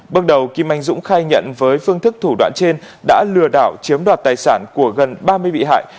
bước đầu kim anh dũng khai nhận với phương thức thủ đoạn trên đã lừa đảo chiếm đoạt tài sản của gần ba mươi bị hại